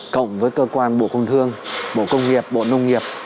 cộng với cơ quan bộ công thương bộ công nghiệp bộ nông nghiệp